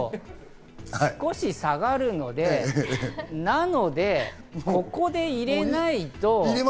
少し下がるので、なのでここで入れないと。